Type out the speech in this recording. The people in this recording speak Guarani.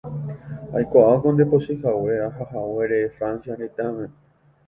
aikuaáko ndepochyhague ahahaguére Francia retãme